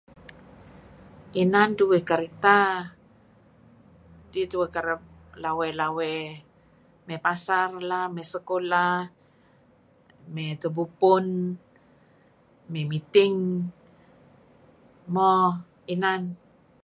Inan duih kereta kidih tuih kereb lawey-lawey mey pasar lah, mey sekulah, mey tebubpun, mey meeting, mo inan.